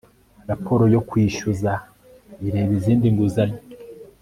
raporo yo kwishyuza ireba izindi nguzanyo